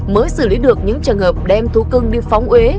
mới xử lý được những trường hợp đem thú cưng đi phóng huế